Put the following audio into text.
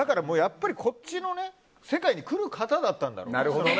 こっちの世界に来る方だったんだろうね。